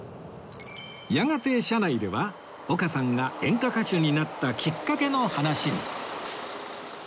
やがて車内では丘さんが演歌歌手になったきっかけの話に